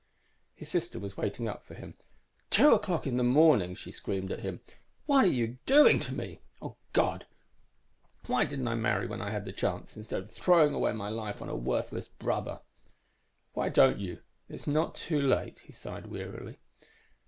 _ _His sister was waiting up for him. "Two o'clock in the morning!" she screamed at him. "What are you doing to me? Oh, God, why didn't I marry when I had the chance, instead of throwing away my life on a worthless brother!"_ _"Why don't you? It's not too late," he sighed wearily.